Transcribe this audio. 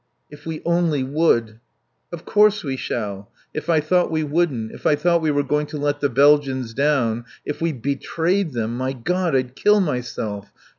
"If we only would " "Of course we shall. If I thought we wouldn't, if I thought we were going to let the Belgians down, if we betrayed them My God! I'd kill myself....